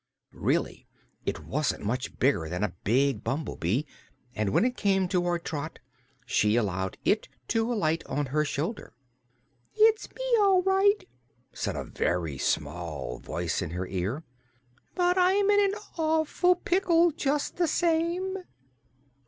Really, it wasn't much bigger than a big bumblebee, and when it came toward Trot she allowed it to alight on her shoulder. "It's me, all right," said a very small voice in her ear; "but I'm in an awful pickle, just the same!"